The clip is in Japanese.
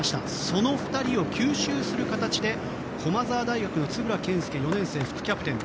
その２人を吸収する形で駒澤大学の円健介、４年生の副キャプテン